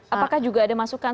apakah juga ada masukan